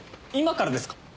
今からですか？